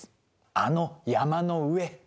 あの山の上！